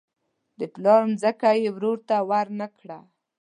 د پلار ځمکه یې ورور ته ورنه کړه.